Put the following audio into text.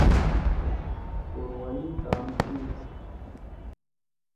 توروالی کام تھی؟